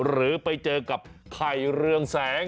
หรือไปเจอกับไข่เรืองแสง